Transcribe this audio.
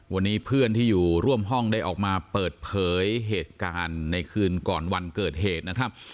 วันนี้เพื่อนที่อยู่ร่วมห้องได้ออกมาเปิดเผยเหตุการณ์ในคืนก่อนวันเกิดเหตุนะครับ